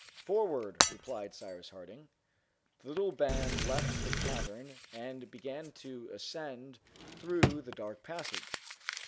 "Forward!" replied Cyrus Harding. The little band left the cavern and began to ascend through the dark passage.